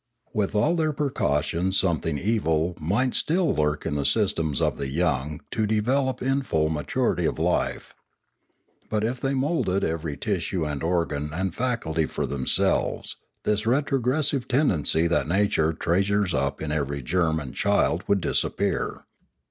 With all their precautions something evil might still lurk in the systems of the young to be de veloped in full maturity of life. But if they moulded every tissue and organ and faculty for themselves, this retrogressive tendency that nature treasures up in every germ and child would disappear.